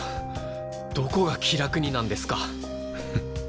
どどこが気楽になんですか。